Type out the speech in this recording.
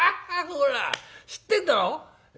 ほら知ってんだろ？」。